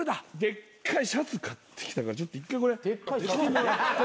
でっかいシャツ買ってきたからちょっと一回これ着てもらって。